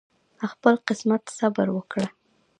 خپل قسمت صبر وکړه